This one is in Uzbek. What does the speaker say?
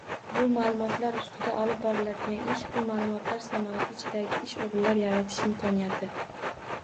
Bu maʼlumotlar ustida olib boriladigan ish, bu maʼlumotlar sanoati ichidagi ish oʻrinlar yaratish imkoniyati.